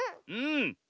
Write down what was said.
うん。